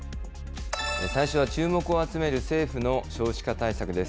最初は注目を集める政府の少子化対策です。